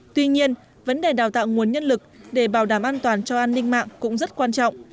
tuy nhiên vấn đề đào tạo nguồn nhân lực để bảo đảm an toàn cho an ninh mạng cũng rất quan trọng